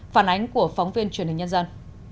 phản ánh của phóng viên truyền hình nhân dân